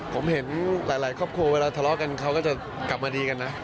ผมเห็นหลายครอบครัวเวลาทะเลาะกันเขาก็จะกลับมาดีกันนะ